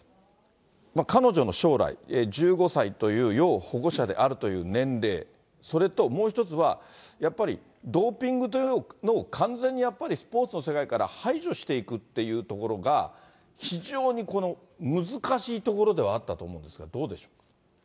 彼女の将来、１５歳という要保護者であるという年齢、それともう一つは、やっぱりドーピングというのを完全にやっぱり、スポーツの世界から排除していくっていうところが、非常に難しいところではあったと思うんですが、どうでしょう。